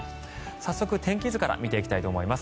早速、天気図から見ていきたいと思います。